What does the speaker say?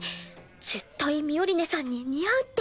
絶対ミオリネさんに似合うって。